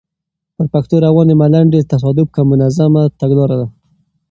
پر پښتو روانې ملنډې؛ تصادف که منظمه تګلاره؟